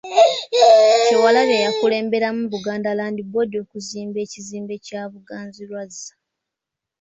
Kyewalabye yakulemberamu Buganda Land Board okuzimba ekizimbe kya Muganzirwazza.